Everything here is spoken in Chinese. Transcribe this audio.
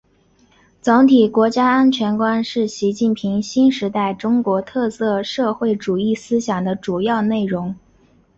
总体国家安全观是习近平新时代中国特色社会主义思想的重要内容